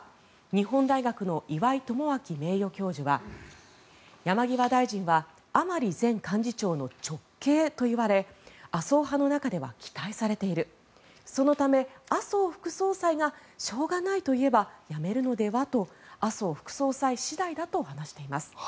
日本大学の岩井奉信名誉教授は山際大臣は甘利前幹事長の直系といわれ麻生派の中では期待されているそのため、麻生副総裁がしょうがないと言えば辞めるのではと麻生副総裁次第だと話しています。